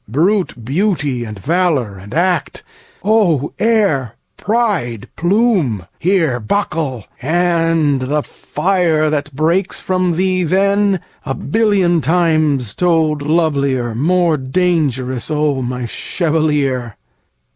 Brute beauty and valour and act, oh, air, pride, plume, here Buckle! AND the fire that breaks from thee then, a billion Times told lovelier, more dangerous, O my chevalier!